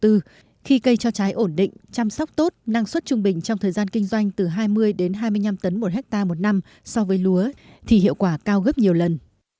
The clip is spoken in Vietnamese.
khi cây cho trái ổn định chăm sóc tốt năng suất trung bình trong thời gian kinh doanh từ hai mươi đến hai mươi năm tấn một hectare một năm so với lúa thì hiệu quả cao gấp nhiều lần